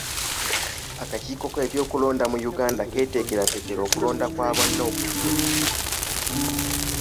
Akakiiko k'ebyokulonda mu Uganda kateekerateekera okulonda kwa bonna okujja.